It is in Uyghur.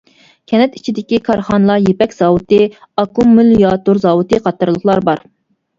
كەنت ئىچىدىكى كارخانىلار يىپەك زاۋۇتى، ئاككۇمۇلياتور زاۋۇتى قاتارلىقلار بار.